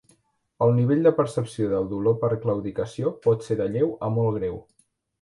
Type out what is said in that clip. El nivell de percepció del dolor per claudicació pot ser de lleu a molt greu.